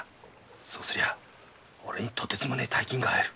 そうすりゃあ俺にとてつもねえ大金が入る。